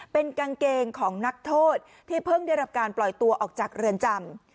เป็นกางเกงของนักโทษที่เพิ่งได้รับการปล่อยตัวออกจากเรือนจำ